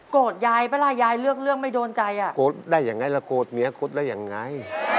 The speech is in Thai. โกรธยายเวลายายเลือกเลือกไม่โดนใจอ่ะโกรธได้ยังไงแล้วโกรธเมียโกรธได้ยังไง